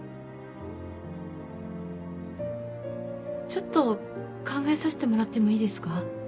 ちょっと考えさせてもらってもいいですか？